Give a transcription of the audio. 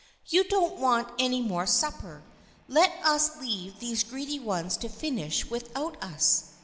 " You don't want any more supper. Let us leave these greedy ones to finish with out us."